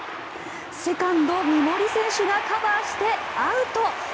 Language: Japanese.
セカンド、三森選手がカバーしてアウト。